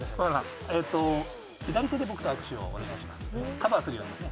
左手で僕と握手をお願いします。